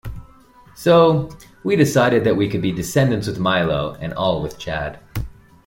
So, we decided that we could be Descendants with Milo, and All with Chad.